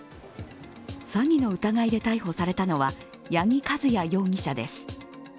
詐欺の疑いで逮捕されたのは矢木和也容疑者です。